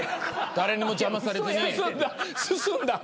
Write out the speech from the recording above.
誰にも邪魔されずに。